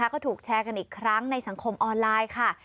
ก็ถูกแชร์กันอีกครั้งในสังคมออนไลน์ค่ะ